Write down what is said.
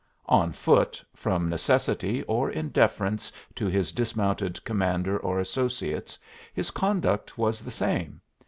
On foot, from necessity or in deference to his dismounted commander or associates, his conduct was the same.